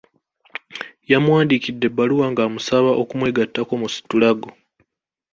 Yamuwandiikidde ebbaluwa ng'amusaba okumwegattako mu situlago.